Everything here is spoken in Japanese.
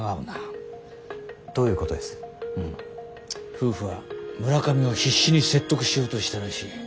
夫婦は村上を必死に説得しようとしたらしい。